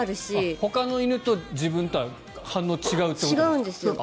ほかの犬と自分とは反応が違うんですか。